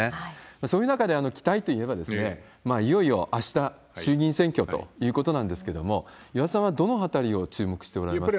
そういう中で期待といえば、いよいよあした衆議院選挙ということなんですけれども、岩田さんはどのあたりを注目しておられますか？